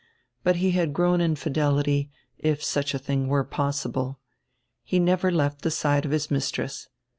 But he had grown in fidelity, if such a tiling were possible. He never left the side of his mis tress.